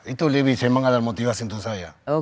itu lebih semangat dan motivasi untuk saya